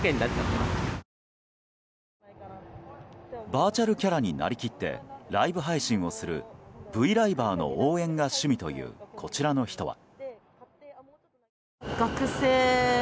バーチャルキャラになりきってライブ配信をするＶライバーの応援が趣味というこちらの人は。